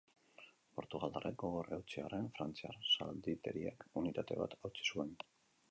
Portugaldarrek gogor eutsi arren frantziar zalditeriak unitate bat hautsi zuen.